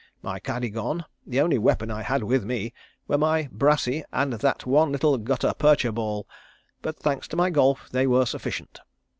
My caddy gone, the only weapons I had with me were my brassey and that one little gutta percha ball, but thanks to my golf they were sufficient.